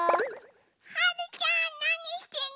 はるちゃんなにしてんの？